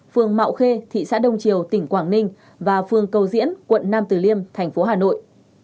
phường mạo khê thị xã đông triều tỉnh quảng ninh và phường cầu diễn quận nam tử liêm thành phố hà nội